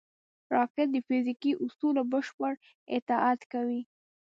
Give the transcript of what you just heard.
راکټ د فزیکي اصولو بشپړ اطاعت کوي